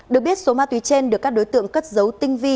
được biết số ma túy trên được các đối tượng cất dấu tinh vi